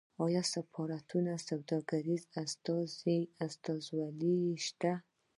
آیا په سفارتونو کې سوداګریزې استازولۍ شته؟